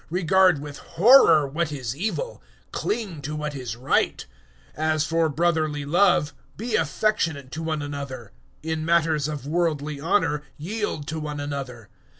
Regard with horror what is evil; cling to what is right. 012:010 As for brotherly love, be affectionate to one another; in matters of worldly honour, yield to one another.